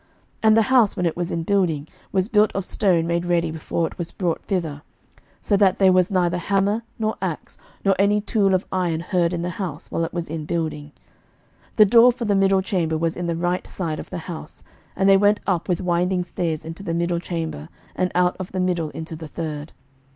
11:006:007 And the house, when it was in building, was built of stone made ready before it was brought thither: so that there was neither hammer nor axe nor any tool of iron heard in the house, while it was in building. 11:006:008 The door for the middle chamber was in the right side of the house: and they went up with winding stairs into the middle chamber, and out of the middle into the third.